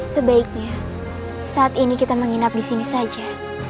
sebaiknya saat ini kita menginap disini saja